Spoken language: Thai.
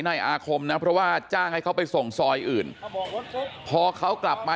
นายอาคมนะเพราะว่าจ้างให้เขาไปส่งซอยอื่นพอเขากลับมา